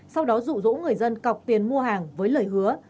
sau đó rụ rỗ người dân cọc tiền mua hàng với lời hứa